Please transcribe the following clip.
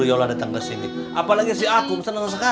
oh udah pasti ada waktu tenang saja